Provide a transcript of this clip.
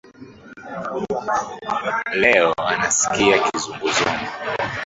Leo nasikia kizunguzungu.